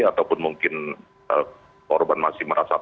ataupun mungkin korban masih merasa